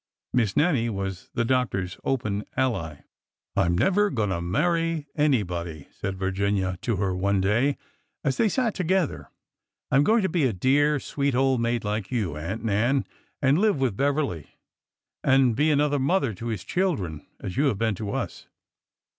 Miss Nannie was the doctor's open ally. '' I 'm never going to marry anybody," said Virginia to her, one day, as they sat together. " I 'm going to be a dear, sweet old maid like you. Aunt Nan, and live with Beverly, and be another mother to his children, as you have been to us."